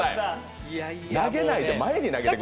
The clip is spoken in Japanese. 投げないで前に投げてください。